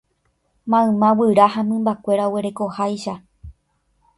Mayma guyra ha mymbakuéra oguerekoháicha.